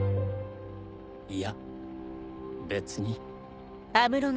いや別に。